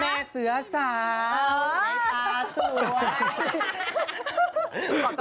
แม่เสือสาวแม่สาสัว